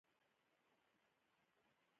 • برېښنا د انسان ژوند اسانه کړی دی.